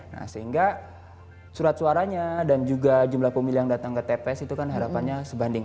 nah sehingga surat suaranya dan juga jumlah pemilih yang datang ke tps itu kan harapannya sebanding